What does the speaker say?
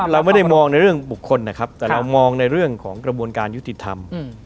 เราไม่ได้มองในเรื่องบุคคลนะครับแต่เรามองในเรื่องของกระบวนการยุติธรรม